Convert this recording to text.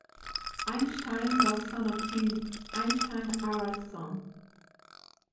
Eystein was son of King Eysteinn Haraldsson.